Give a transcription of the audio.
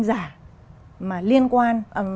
giả mà liên quan